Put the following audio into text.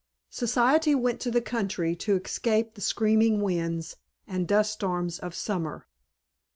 V Society went to the country to escape the screaming winds and dust clouds of summer.